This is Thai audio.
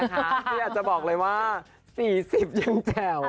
ที่อยากจะบอกเลยว่า๔๐ตรงนี้ยังแจ๋ว